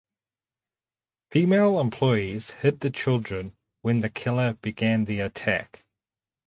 Female employees hid the children when the killer began the attack.